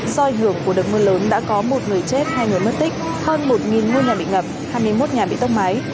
doi hưởng của đợt mưa lớn đã có một người chết hai người mất tích hơn một ngôi nhà bị ngập hai mươi một nhà bị tốc máy